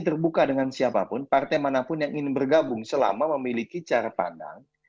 terbuka dengan siapapun partai manapun yang ingin bergabung selama memiliki cara pandang